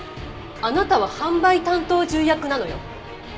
あなたは販売担当重役なのよ。